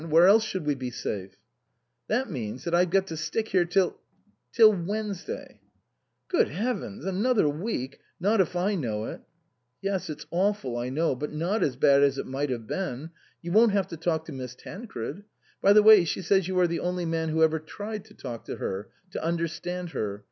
Where else should we be safe ?" "That means that I've got to stick here till "" Till Wednesday." " Good heavens ! Another week ! Not if I know it." " Yes, it's awful, I know ; but not as bad as it might have been. You won't have to talk to Miss Tancred. By the way, she says you are the only man who ever tried to talk to her to understand her.